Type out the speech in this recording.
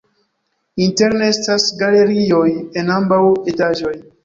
Interne estas galerioj en ambaŭ etaĝoj.